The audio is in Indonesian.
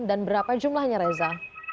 dan berapa jumlahnya reza